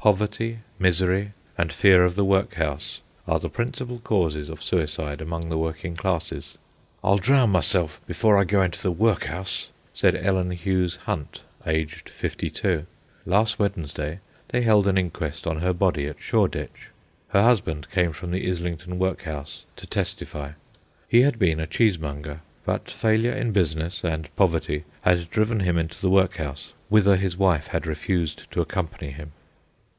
Poverty, misery, and fear of the workhouse, are the principal causes of suicide among the working classes. "I'll drown myself before I go into the workhouse," said Ellen Hughes Hunt, aged fifty two. Last Wednesday they held an inquest on her body at Shoreditch. Her husband came from the Islington Workhouse to testify. He had been a cheesemonger, but failure in business and poverty had driven him into the workhouse, whither his wife had refused to accompany him.